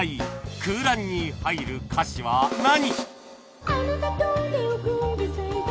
空欄に入る歌詞は何？